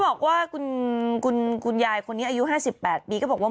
บอกว่าควรคุณยายคนนี้อายุห้าสิบแปดปีก็บอกว่า